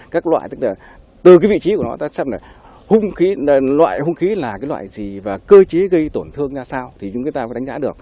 các loại tức là từ cái vị trí của nó ta xem là hùng khí loại hùng khí là cái loại gì và cơ chế gây tổn thương ra sao thì chúng ta có đánh giá được